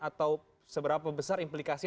atau seberapa besar implikasi